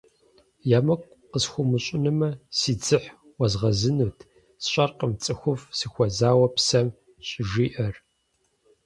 ЕмыкӀу къысхуумыщӀынумэ, си дзыхь уэзгъэзынут, сщӀэркъым цӀыхуфӀ сыхуэзауэ псэм щӀыжиӀэр.